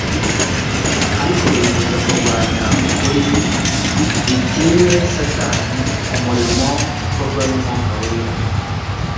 ariko bifuza kurwanya ukuri, bitinye Satani umurimo ukorwa n'Umwuka Wera.